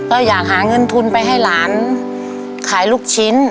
ก็อยากหาเงินทุนไปให้หลานขายลูกชิ้น